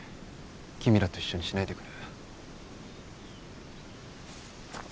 君らと一緒にしないでくれ。